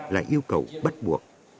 là yêu cầu bắt buộc